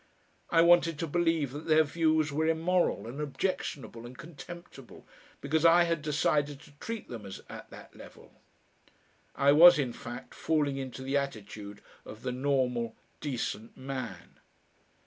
I wanted to believe that their views were immoral and objectionable and contemptible, because I had decided to treat them as at that level. I was, in fact, falling into the attitude of the normal decent man.